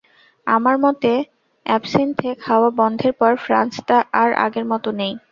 আমার মতে, এবসিন্থে খাওয়া বন্ধের পর ফ্রান্স আর আগের মতো নেই।